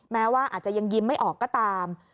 แม้ว่าอาจจะยังยิ้มไม่ออกก็ตาม